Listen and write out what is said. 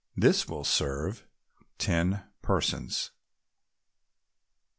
This will serve ten persons.